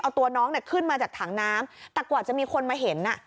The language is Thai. เอาตัวน้องเนี่ยขึ้นมาจากถังน้ำแต่กว่าจะมีคนมาเห็นอ่ะ